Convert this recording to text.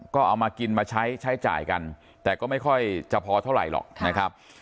ก็เอามากินมาใช้ใช้จ่ายกันแต่ก็ไม่ค่อยจะพอเท่าไหร่หรอกนะครับ